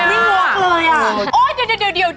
อุ้ยดีนี่หัวเกลืออย่าง